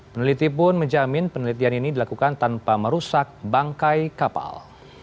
peneliti pun menjamin penelitian ini dilakukan tanpa merusak bangkai kapal